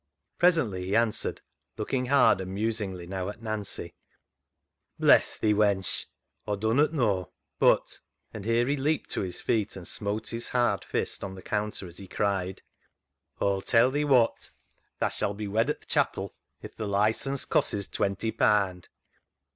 Presently he answered, look ing hard and musingly now at Nancy —*' Bless thee, wench. Aw dunnut knaw. But," and here he leaped to his feet and smote his hard fist on the counter, as he cried :" Aw'll tell thee wot. Tha shall be wed at th' chapel, if th' licence cosses [costs] twenty paand